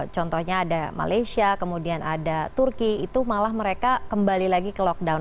contohnya ada malaysia kemudian ada turki itu malah mereka kembali lagi ke lockdown